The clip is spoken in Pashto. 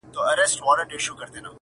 تر قیامته به یې حرف ویلی نه وای!!!!!